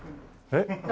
えっ？